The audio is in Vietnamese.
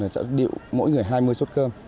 sẽ điệu mỗi người hai mươi suất cơm